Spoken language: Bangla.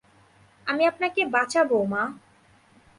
আমি আপনাকে বাঁচাবো, মা।